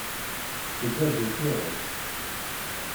Teṭṭef-d adif iɣes.